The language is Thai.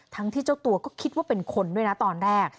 ที่เจ้าตัวก็คิดว่าเป็นคนด้วยนะตอนแรก